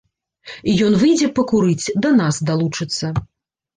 І ён выйдзе пакурыць, да нас далучыцца.